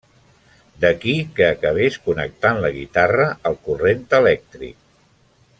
D'aquí que acabés connectant la guitarra al corrent elèctric.